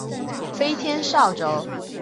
飞天扫帚。